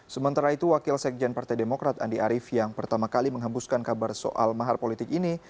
sementara itu wakil sekjen partai demokrat andi arief yang pertama kali menghembuskan kabar soal mahar politik ini